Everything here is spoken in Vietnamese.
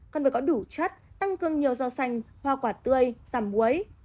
cần phải có đủ chất tăng cương nhiều rau xanh hoa quả tươi rằm muối